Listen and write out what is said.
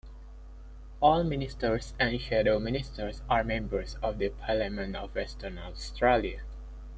All ministers and shadow ministers are members of the Parliament of Western Australia.